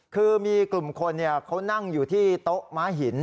คือมีกลุ่มคนเขานั่งอยู่ที่โต๊ะม้าหิน